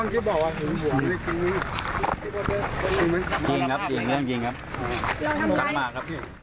จริงครับจริงครับจริง